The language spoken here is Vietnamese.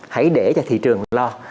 hãy để cho thị trường lo